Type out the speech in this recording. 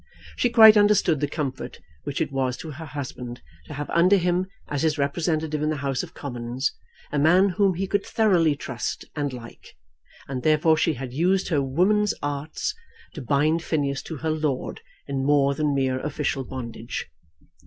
She quite understood the comfort which it was to her husband to have under him, as his representative in the House of Commons, a man whom he could thoroughly trust and like, and therefore she had used her woman's arts to bind Phineas to her lord in more than mere official bondage.